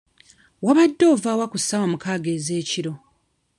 Wabadde ovaawa ku ssaawa mukaaga ez'ekiro?